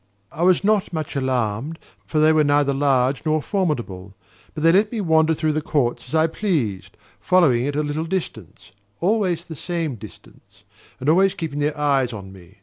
I was not much alarmed, for they were neither large nor formidable. But they let me wander about the court as I pleased, following me at a little distance always the same distance and always keeping their eyes on me.